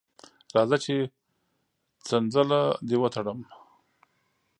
راځه چې څنځله دې وتړم.